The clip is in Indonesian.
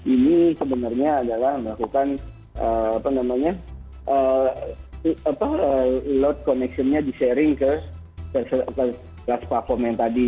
ini sebenarnya adalah melakukan load connection nya di sharing ke plas platform yang tadi